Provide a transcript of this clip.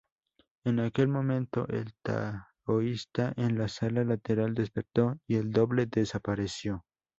En aquel momento, el taoísta en la sala lateral despertó y el doble desapareció.